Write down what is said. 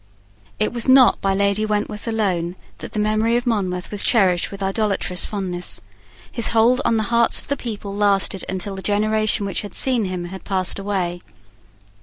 It was not by Lady Wentworth alone that the memory of Monmouth was cherished with idolatrous fondness. His hold on the hearts of the people lasted till the generation which had seen him had passed away.